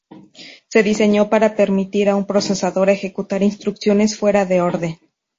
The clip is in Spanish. Se diseñó para permitir a un procesador ejecutar instrucciones fuera de orden.